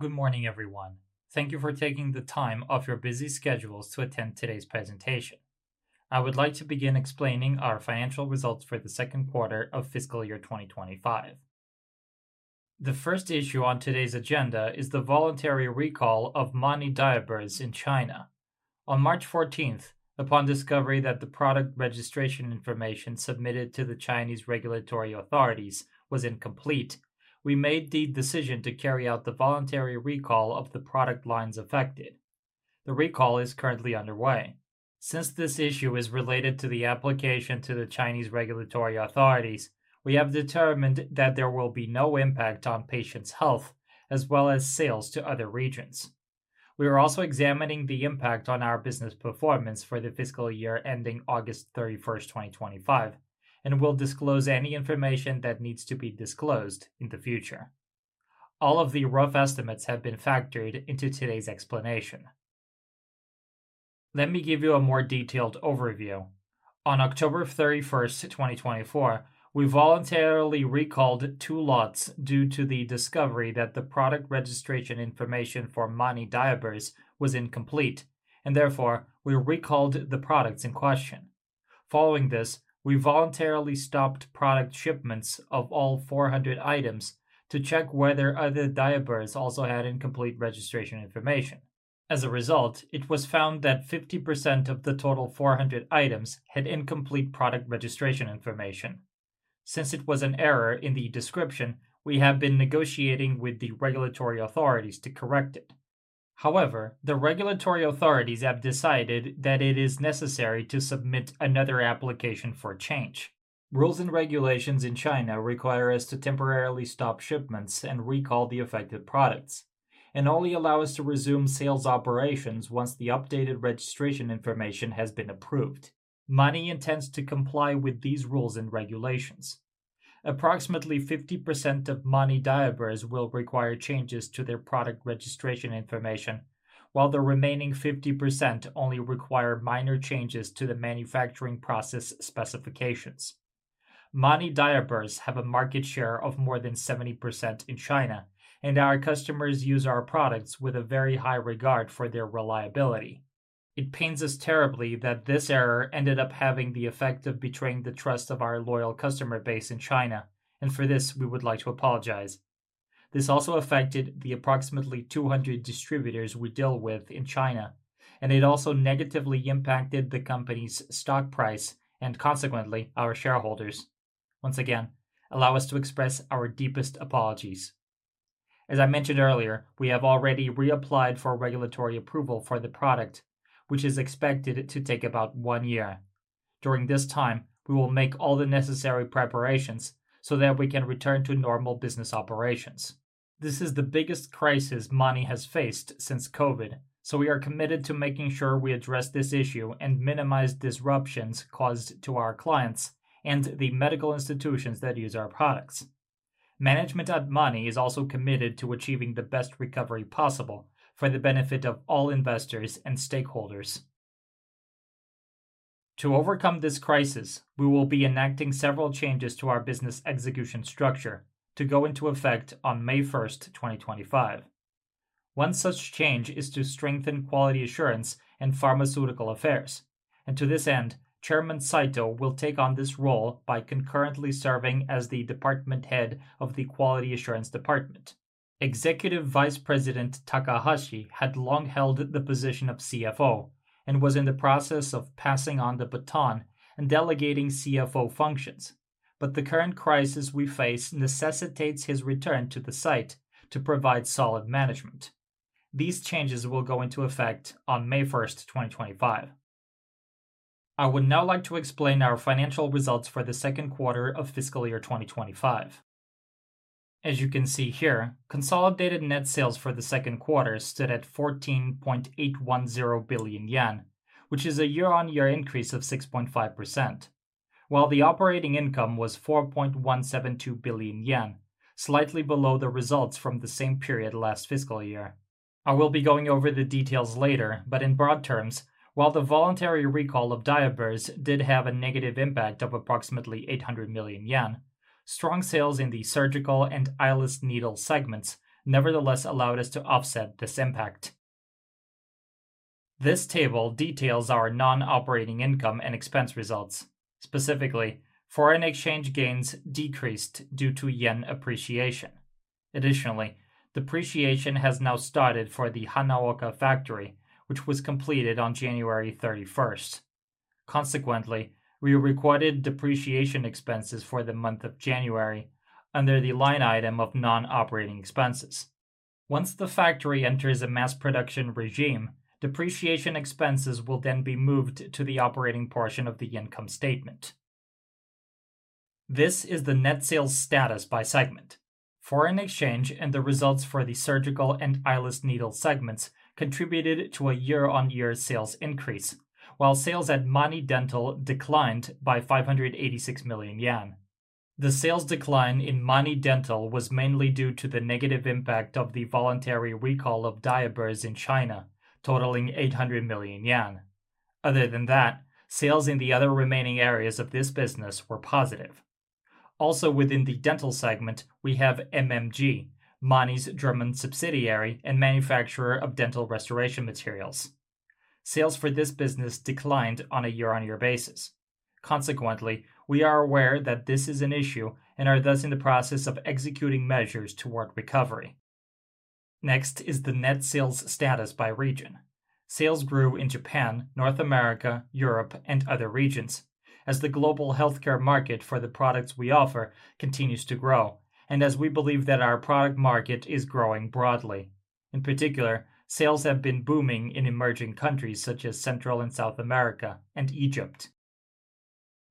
Good morning, everyone. Thank you for taking the time off your busy schedules to attend today's presentation. I would like to begin explaining our Financial Results for the Second Quarter of Fiscal Year 2025. The first issue on today's agenda is the voluntary recall of MANI DIA-BURS in China. On March 14th, upon discovery that the product registration information submitted to the Chinese regulatory authorities was incomplete, we made the decision to carry out the voluntary recall of the product lines affected. The recall is currently underway. Since this issue is related to the application to the Chinese regulatory authorities, we have determined that there will be no impact on patients' health, as well as sales to other regions. We are also examining the impact on our business performance for the fiscal year ending August 31st, 2025, and we'll disclose any information that needs to be disclosed in the future. All of the rough estimates have been factored into today's explanation. Let me give you a more detailed overview. On October 31st, 2024, we voluntarily recalled two lots due to the discovery that the product registration information for MANI DIA-BURS was incomplete, and therefore we recalled the products in question. Following this, we voluntarily stopped product shipments of all 400 items to check whether other DIA-BURS also had incomplete registration information. As a result, it was found that 50% of the total 400 items had incomplete product registration information. Since it was an error in the description, we have been negotiating with the regulatory authorities to correct it. However, the regulatory authorities have decided that it is necessary to submit another application for change. Rules and regulations in China require us to temporarily stop shipments and recall the affected products, and only allow us to resume sales operations once the updated registration information has been approved. MANI intends to comply with these rules and regulations. Approximately 50% of MANI DIA-BURS will require changes to their product registration information, while the remaining 50% only require minor changes to the manufacturing process specifications. MANI DIA-BURS have a market share of more than 70% in China, and our customers use our products with a very high regard for their reliability. It pains us terribly that this error ended up having the effect of betraying the trust of our loyal customer base in China, and for this, we would like to apologize. This also affected the approximately 200 distributors we deal with in China, and it also negatively impacted the company's stock price and consequently our shareholders. Once again, allow us to express our deepest apologies. As I mentioned earlier, we have already reapplied for regulatory approval for the product, which is expected to take about one year. During this time, we will make all the necessary preparations so that we can return to normal business operations. This is the biggest crisis MANI has faced since COVID, so we are committed to making sure we address this issue and minimize disruptions caused to our clients and the medical institutions that use our products. Management at MANI is also committed to achieving the best recovery possible for the benefit of all investors and stakeholders. To overcome this crisis, we will be enacting several changes to our business execution structure to go into effect on May 1st, 2025. One such change is to strengthen quality assurance and pharmaceutical affairs, and to this end, Chairman Saito will take on this role by concurrently serving as the department head of the Quality Assurance Department. Executive Vice President, Takahashi had long held the position of CFO and was in the process of passing on the baton and delegating CFO functions, but the current crisis we face necessitates his return to the site to provide solid management. These changes will go into effect on May 1st, 2025. I would now like to explain our financial results for the second quarter of fiscal year 2025. As you can see here, consolidated net sales for the second quarter stood at 14.810 billion yen, which is a year-on-year increase of 6.5%, while the operating income was 4.172 billion yen, slightly below the results from the same period last fiscal year. I will be going over the details later, but in broad terms, while the voluntary recall of MANI DIA-BURS did have a negative impact of approximately 800 million yen, strong sales in the Surgical and Eyeless Needle Segments nevertheless allowed us to offset this impact. This table details our non-operating income and expense results. Specifically, foreign exchange gains decreased due to yen appreciation. Additionally, depreciation has now started for the Hanaoka factory, which was completed on January 31st. Consequently, we recorded depreciation expenses for the month of January under the line item of non-operating expenses. Once the factory enters a mass production regime, depreciation expenses will then be moved to the operating portion of the income statement. This is the net sales status by segment. Foreign exchange and the results for the Surgical and Eyeless Needle Segments contributed to a year-on-year sales increase, while sales at MANI Dental declined by 586 million yen. The sales decline in MANI Dental was mainly due to the negative impact of the voluntary recall of MANI DIA-BURS in China, totaling 800 million yen. Other than that, sales in the other remaining areas of this business were positive. Also, within the Dental Segment, we have MMG, MANI's German subsidiary and manufacturer of dental restoration materials. Sales for this business declined on a year-on-year basis. Consequently, we are aware that this is an issue and are thus in the process of executing measures toward recovery. Next is the net sales status by region. Sales grew in Japan, North America, Europe, and other regions, as the global healthcare market for the products we offer continues to grow, and as we believe that our product market is growing broadly. In particular, sales have been booming in emerging countries such as Central and South America and Egypt.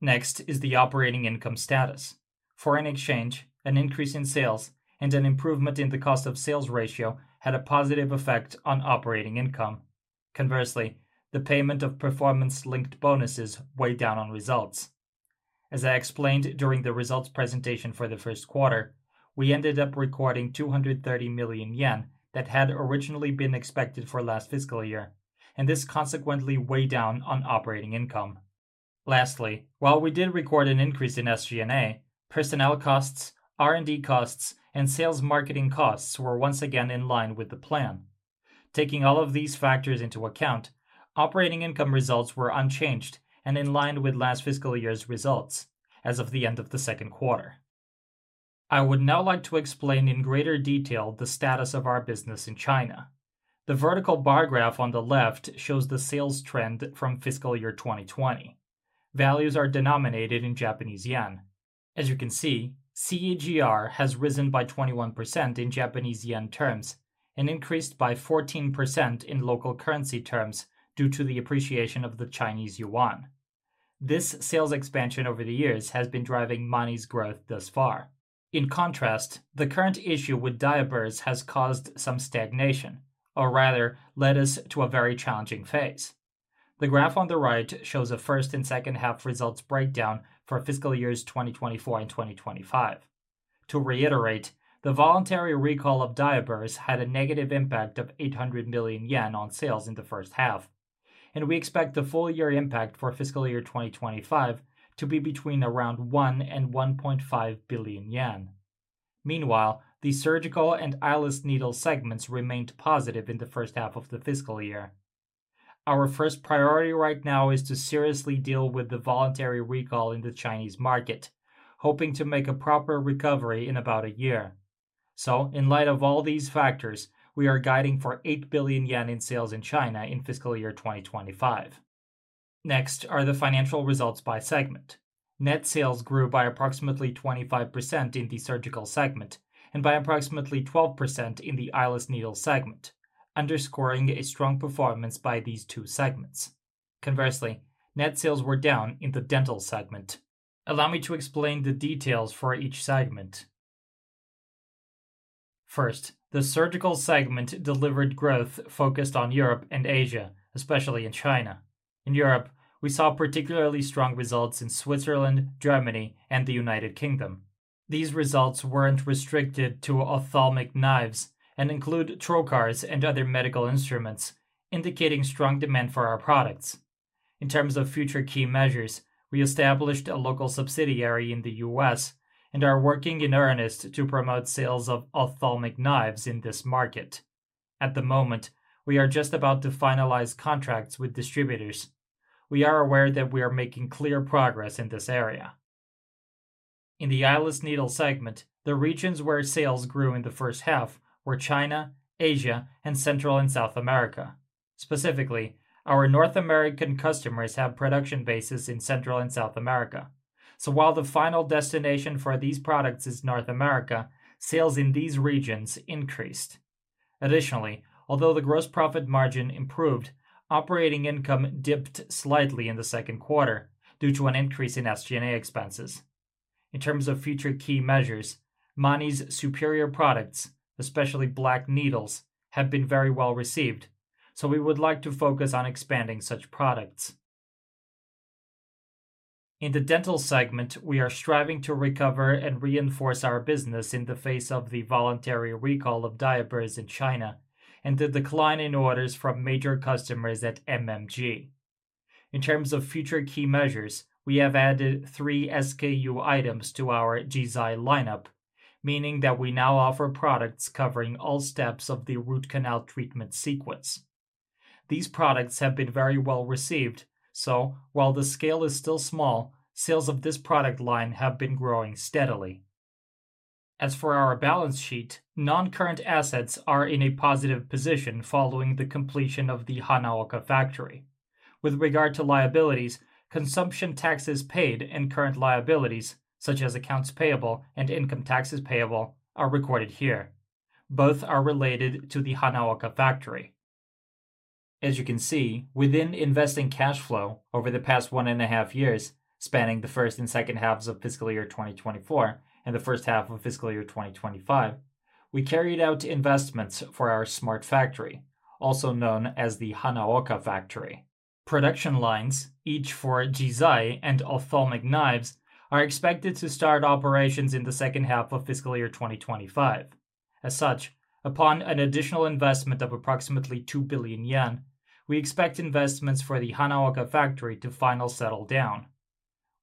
Next is the operating income status. Foreign exchange, an increase in sales, and an improvement in the cost of sales ratio had a positive effect on operating income. Conversely, the payment of performance-linked bonuses weighed down on results. As I explained during the results presentation for the first quarter, we ended up recording 230 million yen that had originally been expected for last fiscal year, and this consequently weighed down on operating income. Lastly, while we did record an increase in SG&A, personnel costs, R&D costs, and sales marketing costs were once again in line with the plan. Taking all of these factors into account, operating income results were unchanged and in line with last fiscal year's results as of the end of the second quarter. I would now like to explain in greater detail the status of our business in China. The vertical bar graph on the left shows the sales trend from fiscal year 2020. Values are denominated in JPY. As you can see, CAGR has risen by 21% in JPY terms and increased by 14% in local currency terms due to the appreciation of the Chinese yuan. This sales expansion over the years has been driving MANI's growth thus far. In contrast, the current issue with MANI DIA-BURS has caused some stagnation, or rather, led us to a very challenging phase. The graph on the right shows a first and second half results breakdown for fiscal years 2024 and 2025. To reiterate, the voluntary recall of DIA-BURS had a negative impact of 800 million yen on sales in the first half, and we expect the full year impact for fiscal year 2025 to be between around 1 billion and 1.5 billion yen. Meanwhile, the Surgical and Eyeless Needle Segments remained positive in the first half of the fiscal year. Our first priority right now is to seriously deal with the voluntary recall in the Chinese market, hoping to make a proper recovery in about a year. In light of all these factors, we are guiding for 8 billion yen in sales in China in fiscal year 2025. Next are the financial results by segment. Net sales grew by approximately 25% in the Surgical Segment and by approximately 12% in the Eyeless Needle Segment, underscoring a strong performance by these two segments. Conversely, net sales were down in the Dental Segment. Allow me to explain the details for each segment. First, the Surgical Segment delivered growth focused on Europe and Asia, especially in China. In Europe, we saw particularly strong results in Switzerland, Germany, and the United Kingdom. These results were not restricted to ophthalmic knives and include trocars and other medical instruments, indicating strong demand for our products. In terms of future key measures, we established a local subsidiary in the U.S. and are working in earnest to promote sales of ophthalmic knives in this market. At the moment, we are just about to finalize contracts with distributors. We are aware that we are making clear progress in this area. In the Eyeless Needle Segment, the regions where sales grew in the first half were China, Asia, and Central and South America. Specifically, our North American customers have production bases in Central and South America. While the final destination for these products is North America, sales in these regions increased. Additionally, although the gross profit margin improved, operating income dipped slightly in the second quarter due to an increase in SG&A expenses. In terms of future key measures, MANI's superior products, especially black needles, have been very well received, so we would like to focus on expanding such products. In the Dental Segment, we are striving to recover and reinforce our business in the face of the voluntary recall of MANI DIA-BURS in China and the decline in orders from major customers at MMG. In terms of future key measures, we have added three SKU items to our GIZAI lineup, meaning that we now offer products covering all steps of the root canal treatment sequence. These products have been very well received, so, while the scale is still small, sales of this product line have been growing steadily. As for our balance sheet, non-current assets are in a positive position following the completion of the Hanaoka factory. With regard to liabilities, consumption taxes paid and current liabilities, such as accounts payable and income taxes payable, are recorded here. Both are related to the Hanaoka factory. As you can see, within investing cash flow over the past one and a half years, spanning the first and second halves of fiscal year 2024 and the first half of fiscal year 2025, we carried out investments for our smart factory, also known as the Hanaoka factory. Production lines, each for GIZAI and ophthalmic knives, are expected to start operations in the second half of fiscal year 2025. As such, upon an additional investment of approximately 2 billion yen, we expect investments for the Hanaoka factory to finally settle down.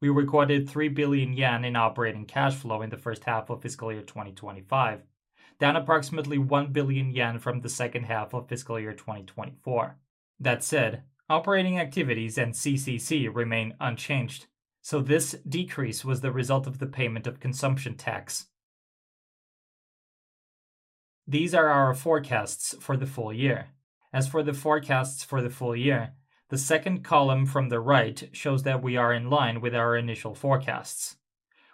We recorded 3 billion yen in operating cash flow in the first half of fiscal year 2025, down approximately 1 billion yen from the second half of fiscal year 2024. That said, operating activities and CCC remain unchanged, so this decrease was the result of the payment of consumption tax. These are our forecasts for the full year. As for the forecasts for the full year, the second column from the right shows that we are in line with our initial forecasts.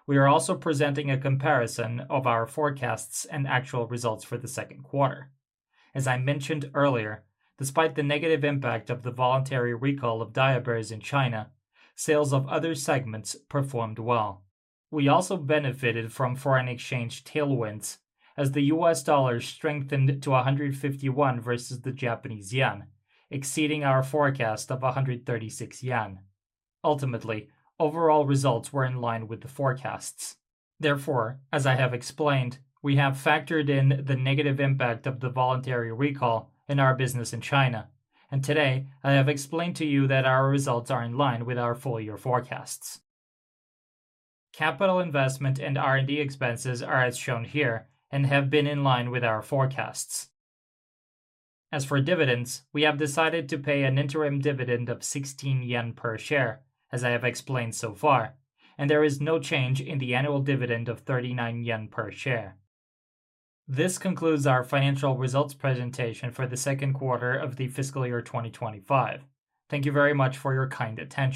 We are also presenting a comparison of our forecasts and actual results for the second quarter. As I mentioned earlier, despite the negative impact of the voluntary recall of MANI DIA-BURS in China, sales of other segments performed well. We also benefited from foreign exchange tailwinds, as the U.S. dollar strengthened to 151 versus the Japanese yen, exceeding our forecast of 136 yen. Ultimately, overall results were in line with the forecasts. Therefore, as I have explained, we have factored in the negative impact of the voluntary recall in our business in China, and today I have explained to you that our results are in line with our full year forecasts. Capital investment and R&D expenses are as shown here and have been in line with our forecasts. As for dividends, we have decided to pay an interim dividend of 16 yen per share, as I have explained so far, and there is no change in the annual dividend of 39 yen per share. This concludes our financial results presentation for the second quarter of the fiscal year 2025. Thank you very much for your kind attention.